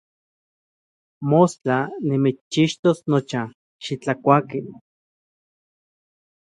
Mostla nimitschixtos nocha, xitlakuaki.